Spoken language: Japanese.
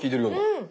うん。